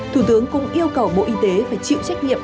thủ tướng cũng yêu cầu bộ y tế phải chịu trách nhiệm